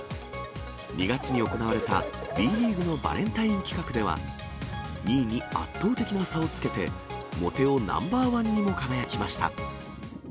２月に行われたＢリーグのバレンタイン企画では、２位に圧倒的な差をつけて、モテ男Ｎｏ．１にも輝きました。